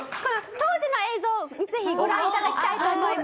当時の映像をぜひご覧頂きたいと思います。